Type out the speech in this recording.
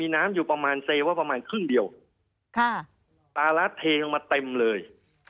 น้ำอยู่ประมาณเซว่าประมาณครึ่งเดียวค่ะตารัดเทลงมาเต็มเลย